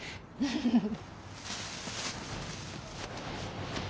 フフフッ。